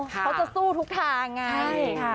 เขาจะสู้ทุกทางไงใช่ค่ะ